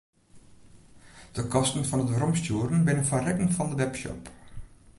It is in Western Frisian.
De kosten fan it weromstjoeren binne foar rekken fan de webshop.